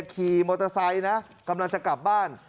ขี่มอเตอร์ไซค์นะกำลังจะกลับบ้าน